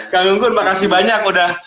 kang gunggun makasih banyak udah